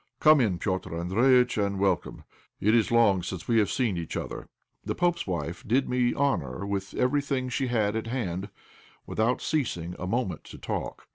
Come in, Petr' Andréjïtch, and welcome. It is long since we have seen each other." The pope's wife did me honour with everything she had at hand, without ceasing a moment to talk.